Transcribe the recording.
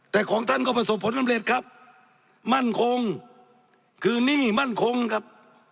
แต่ของท่านก็ประสบผลสำเร็จครับมั่นคงคือหนี้มั่นคงครับ